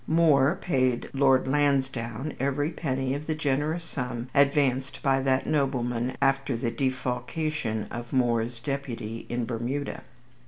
Moore paid Lord Lansdowne every penny of the generous sum advanced by that nobleman after the defalcation of Moore's deputy in Bermuda.